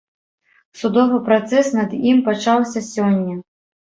Судовы працэс над ім пачаўся сёння.